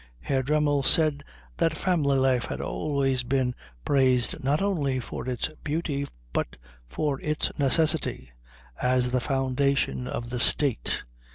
Herr Dremmel said that family life had always been praised not only for its beauty but for its necessity as the foundation of the State.